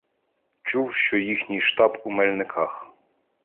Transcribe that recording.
Чув, що їхній штаб у Мельниках.